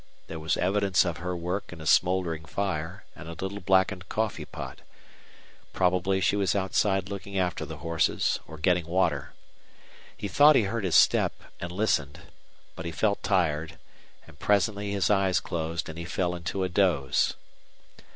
There was evidence of her work in a smoldering fire and a little blackened coffee pot. Probably she was outside looking after the horses or getting water. He thought he heard a step and listened, but he felt tired, and presently his eyes closed and he fell into a doze.